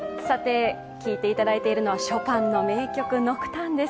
さて、聴いていただいているのはショパンの名曲「ノクターン」です。